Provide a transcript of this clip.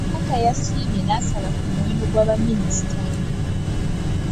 Kabaka yasiimye n'asala ku muwendo gwa baminisita.